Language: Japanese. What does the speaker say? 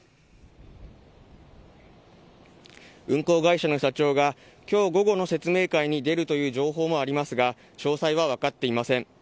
運航会社の社長がきょう午後の説明会に出るという情報もありますが、詳細は分かっていません。